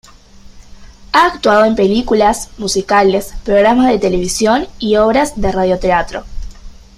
Ha actuado en películas, musicales, programas de televisión y obras de radioteatro.